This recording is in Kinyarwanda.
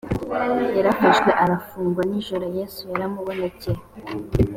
yarafashwe arafungwa nijoro yesu yaramubonekeye